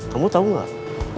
kamu tahu nggak